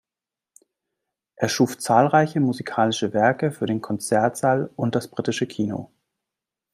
Er schuf zahlreiche musikalische Werke für den Konzertsaal und das britische Kino.